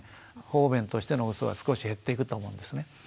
方便としてのうそは少し減っていくと思うんですね。